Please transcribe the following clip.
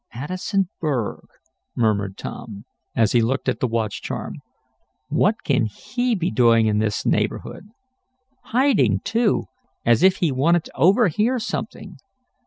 "Addison Berg," murmured Tom, as he looked at the watch charm. "What can he be doing in this neighborhood? Hiding, too, as if he wanted to overhear something.